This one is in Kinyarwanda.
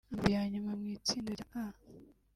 Amavubi ya nyuma mu itsinda rya A